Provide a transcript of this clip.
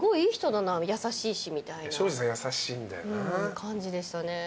感じでしたね。